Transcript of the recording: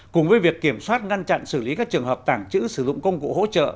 cùng với việc kiểm soát ngăn chặn xử lý các trường hợp tàng trữ sử dụng công cụ hỗ trợ